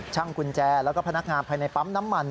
กุญแจแล้วก็พนักงานภายในปั๊มน้ำมัน